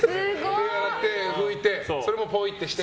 手洗って、拭いてそれもポイッとして。